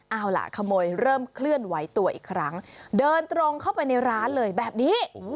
เอาล่ะขโมยเริ่มเคลื่อนไหวตัวอีกครั้งเดินตรงเข้าไปในร้านเลยแบบนี้